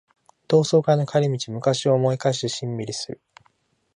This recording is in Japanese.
同窓会の帰り道、昔を思い返してしんみりする